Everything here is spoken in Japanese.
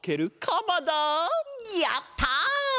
やった！